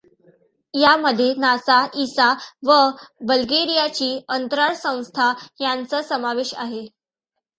यामध्ये NASA, ESA व बल्गेरियाची अंतराळ संस्था यांचा समावेश आहे.